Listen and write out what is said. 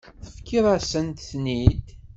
Tefkiḍ-asent-ten-id.